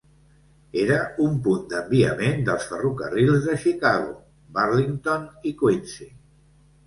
Era un punt d'enviament dels ferrocarrils de Chicago, Burlington i Quincy.